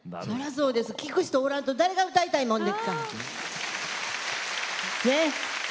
聴く人おらんと誰が歌いたいもんでっか。ね？